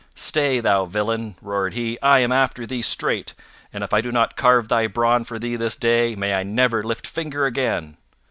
"Stay, thou villain!" roared he, "I am after thee straight, and if I do not carve thy brawn for thee this day, may I never lift finger again!"